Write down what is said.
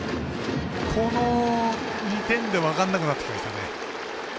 この２点で分からなくなってきましたね。